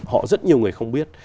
họ rất nhiều người không biết